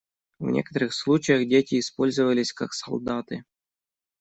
В некоторых случаях дети использовались как солдаты.